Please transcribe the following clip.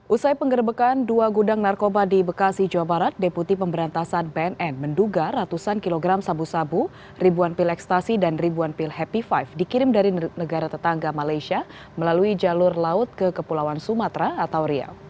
usai penggerbekan dua gudang narkoba di bekasi jawa barat deputi pemberantasan bnn menduga ratusan kilogram sabu sabu ribuan pil ekstasi dan ribuan pil happy five dikirim dari negara tetangga malaysia melalui jalur laut ke kepulauan sumatera atau riau